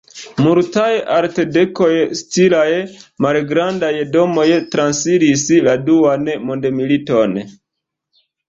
Multaj Artdekor-stilaj malgrandaj domoj transiris la Duan Mondmiliton.